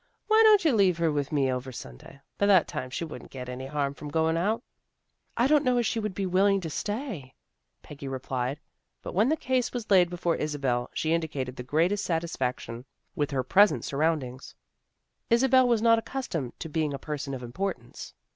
" Why don't you leave her with me over Sunday? By that time she wouldn't get any harm from going out." " I don't know as she would be willing to stay," Peggy replied, but when the case was laid before Isabel she indicated the greatest satisfaction with her present surroundings. AN EVENTFUL PICNIC 333 Isabel was not accustomed to being a person of importance.